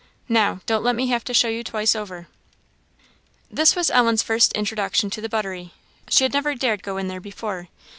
now don't let me have to show you twice over." This was Ellen's first introduction to the buttery; she had never dared go in there before.